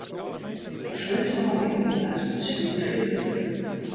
In flitspeal wie opblaasd mei swier fjurwurk.